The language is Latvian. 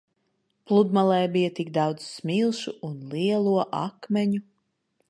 Pludmalē bija tik daudz smilšu un lielo akmeņu.